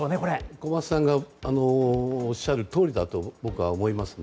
小松さんがおっしゃるとおりだと思います。